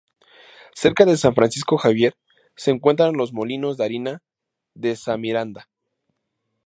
Cerca de San Francisco Javier, se encuentran los molinos de harina de sa Miranda.